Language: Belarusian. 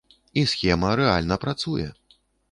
І схема рэальна працуе.